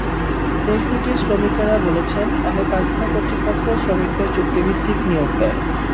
দেশ দুটির শ্রমিকেরা বলেছেন, অনেক কারখানা কর্তৃপক্ষ শ্রমিকদের চুক্তিভিত্তিক নিয়োগ দেয়।